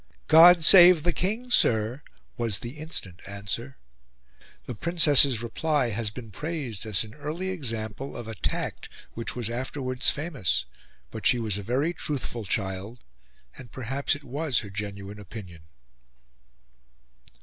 "God save the King, sir," was the instant answer. The Princess's reply has been praised as an early example of a tact which was afterwards famous. But she was a very truthful child, and perhaps it was her genuine opinion.